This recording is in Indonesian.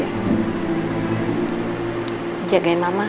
aku beneran gak apa apa kok